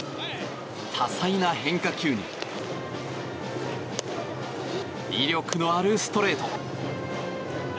多彩な変化球に威力のあるストレート。